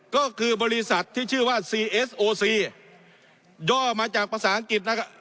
ก็คือบริษัทที่ชื่อว่าซีเอสโอซีย่อมาจากภาษาอังกฤษนะครับ